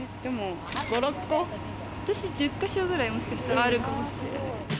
私、１０か所くらいもしかしたらあるかもしれない。